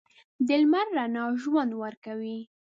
د لمر رڼا ژوند ورکوي.